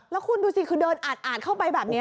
แล้วคุณดูสิคือเดินอาดเข้าไปแบบนี้